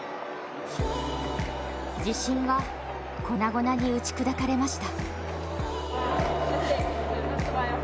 自信は粉々に打ち砕かれました。